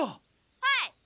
はい。